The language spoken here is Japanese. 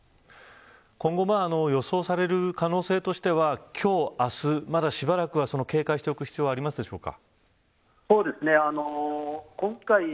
今後予想される可能性としては今日、明日としばらくは警戒していく必要がありますか。